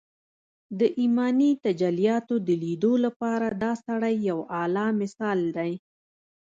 د ايماني تجلياتو د ليدو لپاره دا سړی يو اعلی مثال دی